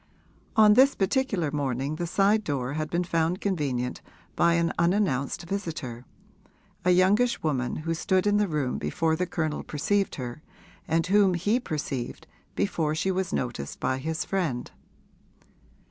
On this particular morning the side door had been found convenient by an unannounced visitor, a youngish woman who stood in the room before the Colonel perceived her and whom he perceived before she was noticed by his friend.